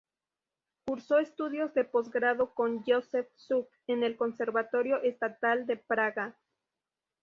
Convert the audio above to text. Cursó estudios de posgrado con Josef Suk en el Conservatorio Estatal de Praga.